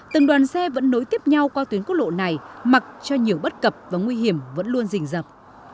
từng đoàn xe vẫn nối tiếp nhau qua tuyến quốc lộ này mặc cho nhiều bất cập và nguy hiểm vẫn luôn rình rập